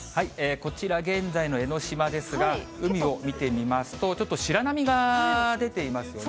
こちら、現在の江の島ですが、海を見てみますと、ちょっと白波が出ていますよね。